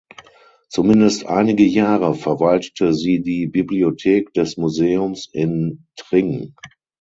Zumindest einige Jahre verwaltete sie die Bibliothek des Museums in Tring.